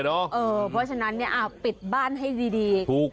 เออเพราะฉะนั้นเนี่ยอ่าปิดบ้านให้ดี